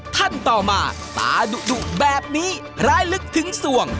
ท่านต่อมาตาดุแบบนี้ร้ายลึกถึงส่วง